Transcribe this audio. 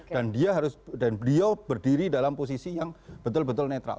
dan beliau harus berdiri dalam posisi yang betul betul netral